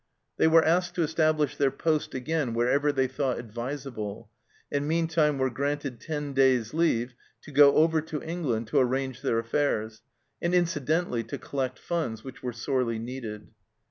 They were asked to establish their poste again wherever they thought advisable, and meantime were granted ten days' leave to go over to England to arrange their affairs, and incidentally to collect funds, which were sorely needed.